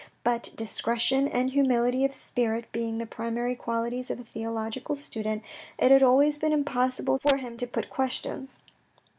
But discretion and humility of spirit being the primary qualities of a theological student, it had always been impossible for him to put questions.